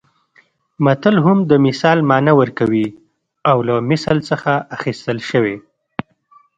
متل هم د مثال مانا ورکوي او له مثل څخه اخیستل شوی